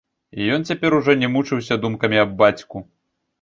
І ён цяпер ужо не мучыўся думкамі аб бацьку.